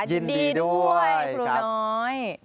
ยินดีด้วยตาน้อย